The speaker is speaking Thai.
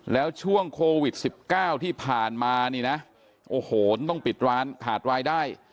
แล้วช่วงโควิด๑๙ที่ผ่านมานี่นะโอ้โหต้องปิดร้านขาดรายได้